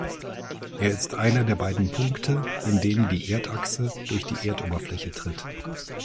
Er ist einer der beiden Punkte, in denen die Erdachse durch die Erdoberfläche tritt.